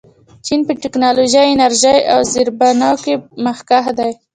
چین په ټیکنالوژۍ، انرژۍ او زیربناوو کې مخکښ دی.